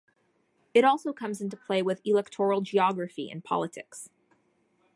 It also comes into play with electoral geography and politics.